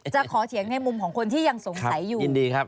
จะขอเถียงในมุมของคนที่ยังสงสัยอยู่